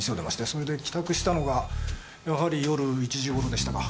それで帰宅したのがやはり夜１時頃でしたか。